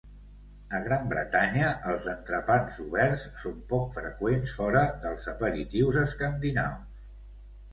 A Gran Bretanya, els entrepans oberts són poc freqüents fora dels aperitius escandinaus.